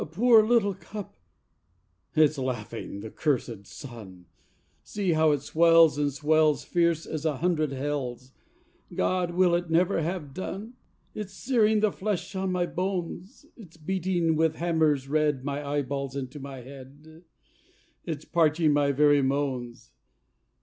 A poor, little cup!' It's laughing, the cursed sun! See how it swells and swells Fierce as a hundred hells! God, will it never have done? It's searing the flesh on my bones; It's beating with hammers red My eyeballs into my head; It's parching my very moans.